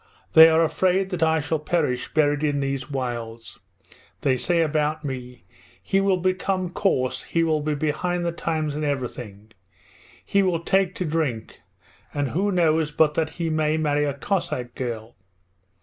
They are afraid that I shall perish, buried in these wilds. They say about me: "He will become coarse; he will be behind the times in everything; he will take to drink, and who knows but that he may marry a Cossack girl."